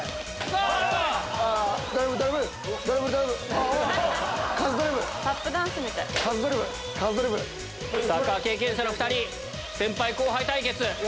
サッカー経験者の２人先輩後輩対決。